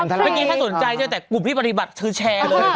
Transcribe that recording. เมื่อกี้ถ้าสนใจเจอแต่กลุ่มพี่ปฏิบัติคือแชร์เลย